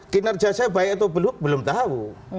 kinerja saya baik atau belum belum tahu